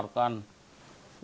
weather kanan apa semua